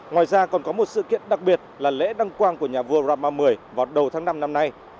ngoài ra còn có một sự kiện đặc biệt là lễ đăng quang của nhà vua rama x vào đầu tháng năm năm nay